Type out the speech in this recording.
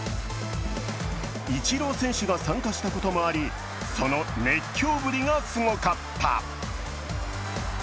イチロー選手が参加したこともあり、その熱狂ぶりがすごかった。